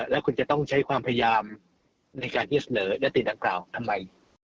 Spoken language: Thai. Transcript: แล้วคุณจะต้องใช้ความพยายามในการที่จะเสนอยติดังกล่าวทำไม